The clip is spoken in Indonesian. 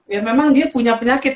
ya memang dia punya penyakit